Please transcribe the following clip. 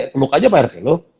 keluk aja pak rt